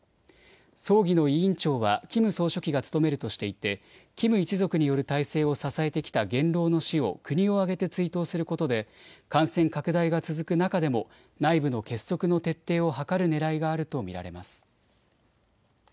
葬儀の委員長はキム総書記が務めるとしていてキム一族による体制を支えてきた元老の死を国を挙げて追悼することで感染拡大が続く中でも内部の結束の徹底を図るねらいがあると見られます。